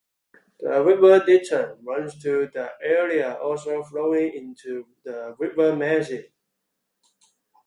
The River Ditton, runs through the area also flowing into the River Mersey.